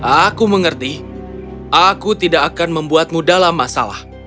aku mengerti aku tidak akan membuatmu dalam masalah